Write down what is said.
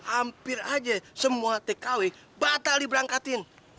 hampir aja semua tkw batal diberangkatin